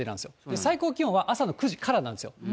最高気温は朝の９時からなんですよ。